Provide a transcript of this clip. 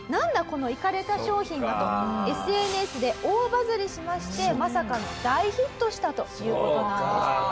このいかれた商品は」とＳＮＳで大バズりしましてまさかの大ヒットしたという事なんです。